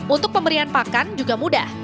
untuk pemberian pakan juga mudah